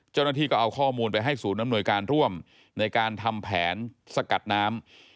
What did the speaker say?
เจ้าหน้าที่ก็เอาข้อมูลไปให้ศูนย์อำนวยการร่วมในการทำแผนสกัดน้ำ